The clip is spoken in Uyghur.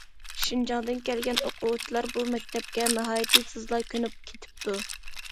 شىنجاڭدىن كەلگەن ئوقۇغۇچىلار بۇ مەكتەپكە ناھايىتى تېزلا كۆنۈپ كېتىپتۇ.